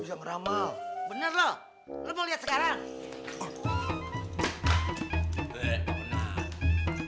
aduh bisa ngeramal